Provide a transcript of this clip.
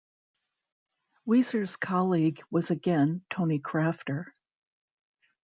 Weser's colleague was again Tony Crafter.